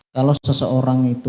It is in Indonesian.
kalau seseorang itu